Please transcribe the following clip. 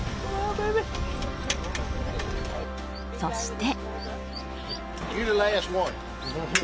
そして。